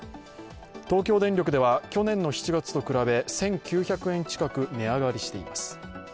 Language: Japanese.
東京電力では、去年の７月と比べ１９００円近く値上がりしています。